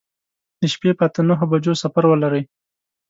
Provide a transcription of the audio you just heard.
د شپې په اته نهو بجو سفر ولرئ.